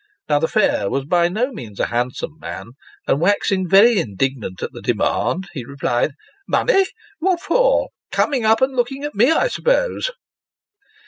Now, the fare was by no means a handsome man ; and, waxing very indignant at the demand, he replied " Money ! What for ? Coming up and looking at me, I suppose